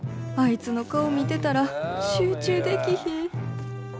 あいつの顔見てたら集中できひん。